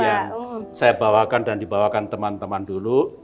yang saya bawakan dan dibawakan teman teman dulu